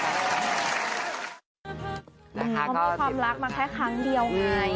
เขามีความรักมาแค่ครั้งเดียวไง